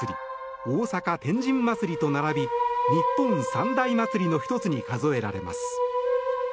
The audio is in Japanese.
大阪・天神祭と並び日本三大祭りの１つに数えられます。